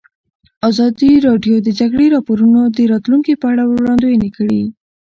ازادي راډیو د د جګړې راپورونه د راتلونکې په اړه وړاندوینې کړې.